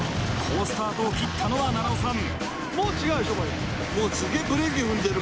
好スタートを切ったのは菜々緒さん。